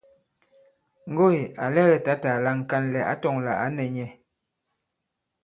Ŋgoỳ à lɛgɛ tǎtà la ŋ̀kànlɛ̀ ǎ tɔ̄ŋ lā ǎ nɛ̄ nyɛ̄.